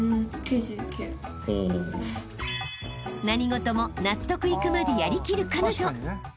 ［何事も納得いくまでやりきる彼女］